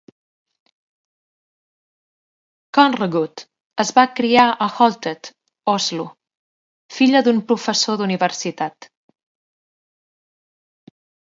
Kongerud es va criar a Holtet, Oslo, filla d'un professor d'universitat.